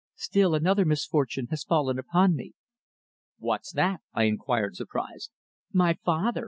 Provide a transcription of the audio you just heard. Still another misfortune has fallen upon me." "What's that?" I inquired, surprised. "My father!"